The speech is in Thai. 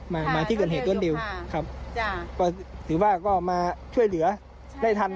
มามาที่เกิดเหตุรวดเร็วครับจ้ะก็ถือว่าก็มาช่วยเหลือได้ทัน